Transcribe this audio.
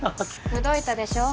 口説いたでしょ？